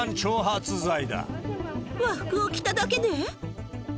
和服を着ただけで？